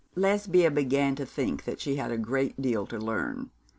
Lesbia began to think that she had a great deal to learn.